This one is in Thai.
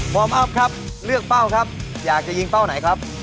อัพครับเลือกเป้าครับอยากจะยิงเป้าไหนครับ